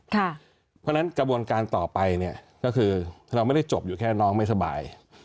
เพราะฉะนั้นกระบวนการต่อไปเนี่ยก็คือเราไม่ได้จบอยู่แค่น้องไม่สบาย